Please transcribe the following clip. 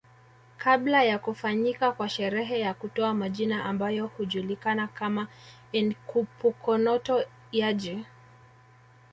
Kabla ya kufanyika kwa sherehe ya kutoa majina ambayo hujulikana kama Enkipukonoto Eaji